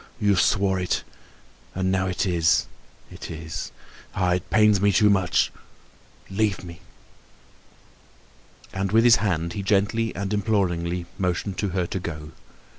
You swore it. And now it is—it is! Ah, it pains me too much, leave me!" And with his hand he gently and imploringly motioned to her to go.